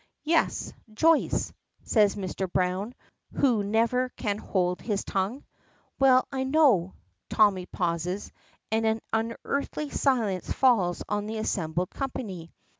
"Yes Joyce," says Mr. Browne, who never can hold his tongue. "Well, I know." Tommy pauses, and an unearthly silence falls on the assembled company.